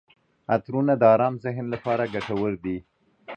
عطرونه د ارام ذهن لپاره ګټور دي.